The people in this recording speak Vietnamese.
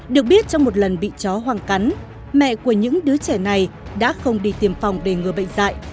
được biết trong một lần bị chó hoang cắn mẹ của những đứa trẻ này đã không đi tiêm phòng để ngừa bệnh dạy